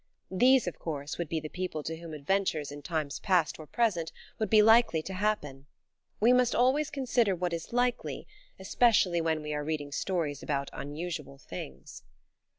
These, of course, would be the people to whom adventures in times past or present would be likely to happen. We must always consider what is likely, especially when we are reading stories about unusual things.